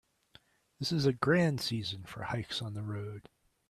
This is a grand season for hikes on the road.